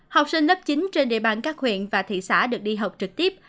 học sinh lớp chín trên địa bàn các huyện và thị xã được đi học trực tiếp